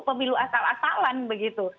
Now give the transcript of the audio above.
pemilu asal asalan begitu